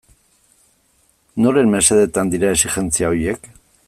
Noren mesedetan dira exijentzia horiek?